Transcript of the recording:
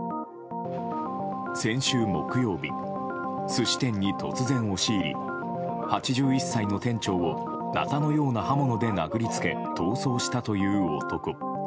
先週木曜日寿司店に突然、押し入り８１歳の店長をなたのような刃物で殴りつけ逃走したという男。